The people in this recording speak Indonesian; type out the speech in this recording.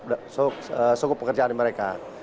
tetapi kita sudah tambahkan dalam skop pekerjaan mereka